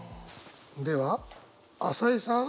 では朝井さん？